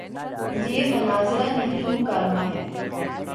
یہ مناظرہ نہیں، مکالمہ ہے۔